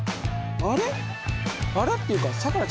あれ？